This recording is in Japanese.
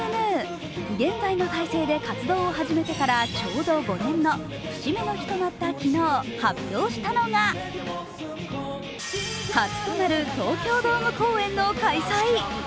現在の体制で活動を始めてからちょうど５年の、節目の日となった昨日、発表したのが初となる東京ドーム公演の開催。